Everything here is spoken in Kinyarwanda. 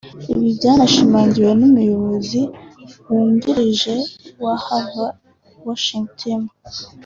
Ibi byanashimangiwe n’Umuyobozi wungirije wa Ahava Worship Team